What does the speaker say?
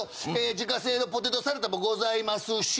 自家製のポテトサラダもございますし。